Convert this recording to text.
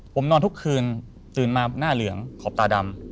ผมนอนทุกคืนตื่นมาหน้าเหลืองขอบตาดำ